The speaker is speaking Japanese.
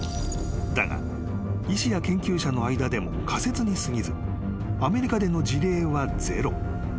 ［だが医師や研究者の間でも仮説にすぎずアメリカでの事例はゼロ］